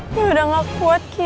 ini udah gak kuat ki